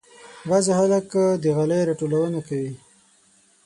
بعضې خلک د غالۍ راټولونه کوي.